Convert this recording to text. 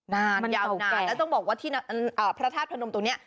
นานยาวนานและต้องบอกว่าพระทัศน์พระนมตรงนี้